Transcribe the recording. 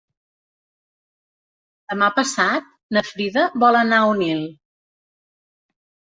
Demà passat na Frida vol anar a Onil.